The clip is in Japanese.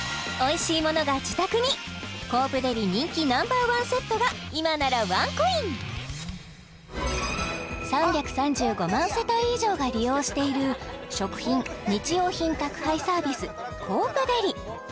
コープデリ人気Ｎｏ．１セットが今ならワンコイン３３５万世帯以上が利用している食品・日用品宅配サービスコープデリ